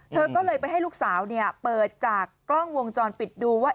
เธอก็เลยไปให้ลูกสาวเปิดจากกล้องวงจรปิดดูว่า